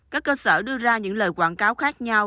các cơ sở đưa ra những lời quảng cáo khác nhau